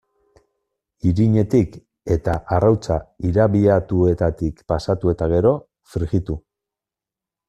Irinetik eta arrautza irabiatuetatik pasatu eta gero, frijitu.